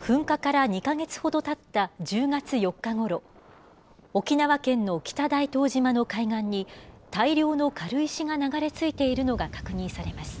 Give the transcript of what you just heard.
噴火から２か月ほどたった１０月４日ごろ、沖縄県の北大東島の海岸に、大量の軽石が流れ着いているのが確認されます。